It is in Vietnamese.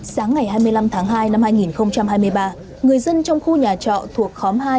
sáng ngày hai mươi năm tháng hai năm hai nghìn hai mươi ba người dân trong khu nhà trọ thuộc khóm hai